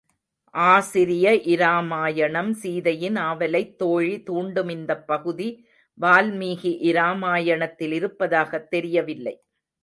ஆசிரிய இராமாயணம் சீதையின் ஆவலைத் தோழி தூண்டும் இந்தப் பகுதி வால்மீகி இராமாயணத்தில் இருப்பதாகத் தெரியவில்லை.